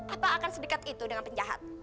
apa akan sedekat itu dengan penjahat